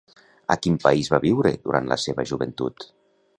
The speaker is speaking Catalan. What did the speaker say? A quin país va viure durant la seva joventut?